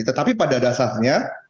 tapi pada dasarnya